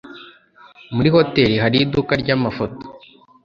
Muri hoteri hari iduka ryamafoto?